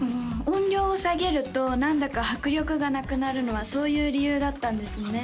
音量を下げると何だか迫力がなくなるのはそういう理由だったんですね